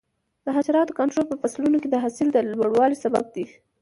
د حشراتو کنټرول په فصلونو کې د حاصل د لوړوالي سبب دی.